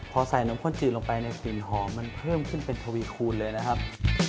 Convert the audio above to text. พอใส่นมข้นจืดลงไปเนี่ยกลิ่นหอมมันเพิ่มขึ้นเป็นทวีคูณเลยนะครับ